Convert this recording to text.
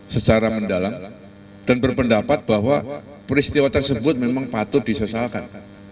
secara mendalam dan berpendapat bahwa peristiwa tersebut memang patut disesalkan